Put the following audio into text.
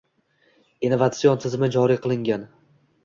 Innovatsion tizimi joriy qilingan